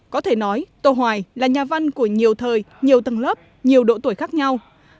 có thể nói tô hoài là nhà văn của nhiều thời nhiều tầng lớp nhiều độ tuổi khác nhau